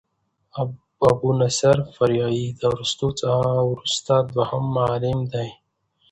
ابو نصر فارابي د ارسطو څخه وروسته دوهم معلم دئ.